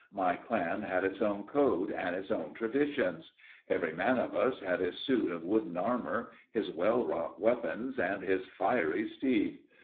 My clan had its own code and its own traditions. Every man of us had his suit of wooden armour, his well wrought weapons and his fiery steed.